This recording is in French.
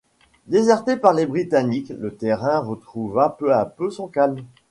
Déserté par les Britanniques, le terrain retrouva peu à peu son calme.